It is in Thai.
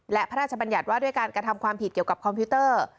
และพระราชบัญญัติว่าด้วยการกระทำความผิดเกี่ยวกับคอมพิวเตอร์